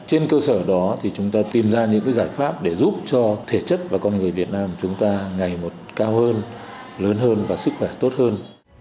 trên cơ sở đó thì chúng ta tìm ra những giải pháp để giúp cho thể chất và con người việt nam chúng ta ngày một cao hơn lớn hơn và sức khỏe tốt hơn